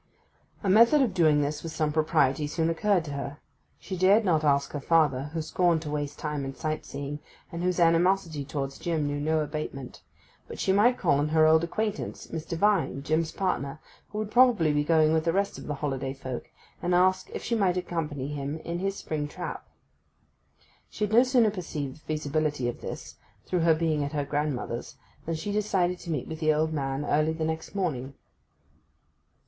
A method of doing this with some propriety soon occurred to her. She dared not ask her father, who scorned to waste time in sight seeing, and whose animosity towards Jim knew no abatement; but she might call on her old acquaintance, Mr. Vine, Jim's partner, who would probably be going with the rest of the holiday folk, and ask if she might accompany him in his spring trap. She had no sooner perceived the feasibility of this, through her being at her grandmother's, than she decided to meet with the old man early the next morning.